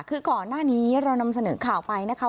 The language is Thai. คือก่อนหน้านี้เรานำเสนอข่าวไปนะคะ